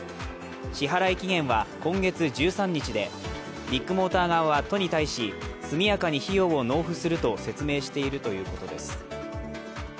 支払い期限は今月１３日でビッグモーター側は都に対し速やかに費用を納付すると説明しているということです。